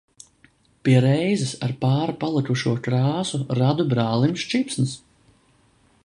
Pie reizes ar pāri palikušo krāsu radu brālim sķipsnas.